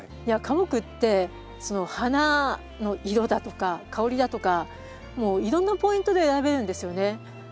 花木ってその花の色だとか香りだとかもういろんなポイントで選べるんですよね。